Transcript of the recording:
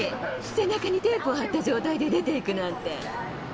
背中にテープを貼った状態で出ていくなんて。